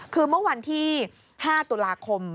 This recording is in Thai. คือเมื่อวันที่๕ตุลาคม